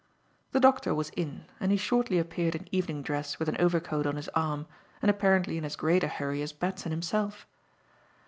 The doctor was in and he shortly appeared in evening dress with an overcoat on his arm, and apparently in as great a hurry as Batson himself.